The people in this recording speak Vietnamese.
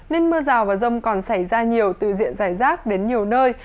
nên mưa rào và rông còn xảy ra nhiều từ diện giải rác đến nhiều nơi